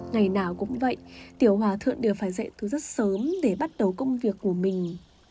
ngày nào cũng vậy tiểu hòa thượng đều phải dậy từ rất sớm để bắt đầu công việc của mình